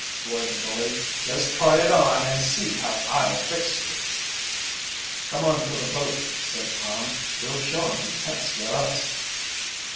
roared the bully. "Just try it on and see how I'll fix you." "Come on for the boat," said Tom. "We'll show him he can't scare us."